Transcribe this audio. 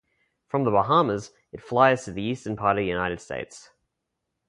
From The Bahamas, it flies to the eastern part of the United States.